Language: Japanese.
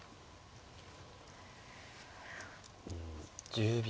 １０秒。